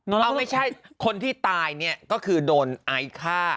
เอาไม่ใช่คนที่ตายเนี่ยก็คือโดนไอซ์ฆ่า